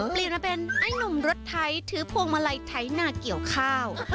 เปลี่ยนมาเป็นไอ้หนุ่มรถไถถือพวงมาลัยไถนาเกี่ยวข้าว